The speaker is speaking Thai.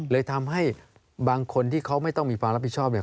เลยทำให้บางคนที่เขาไม่ต้องมีความรับผิดชอบเนี่ย